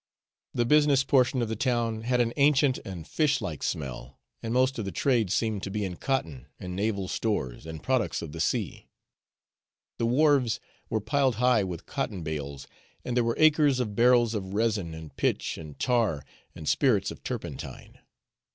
The business portion of the town had "an ancient and fishlike smell," and most of the trade seemed to be in cotton and naval stores and products of the sea. The wharves were piled high with cotton bales, and there were acres of barrels of resin and pitch and tar and spirits of turpentine.